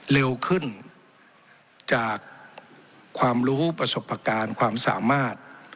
เร็วขึ้นจากความรู้ประสบการณ์ความสามารถ